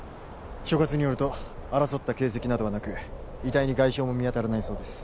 所轄によると争った形跡などはなく遺体に外傷も見当たらないそうです